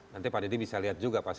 nanti pak dedy bisa lihat juga